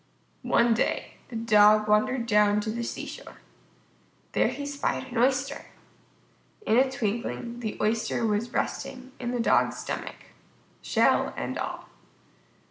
One day the Dog wandered down to the seashore. There he spied an Oyster. In a twinkling the Oyster was resting in the Dog's stomach, shell and all.